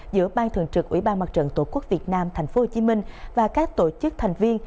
giữa ban thường trực ủy ban mặt trận tổ quốc việt nam tp hcm và các tổ chức thành viên